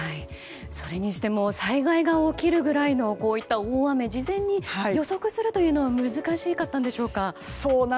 それにしても災害が起こるぐらいのこういった大雨事前に予測するのは難しかったんでしょうか。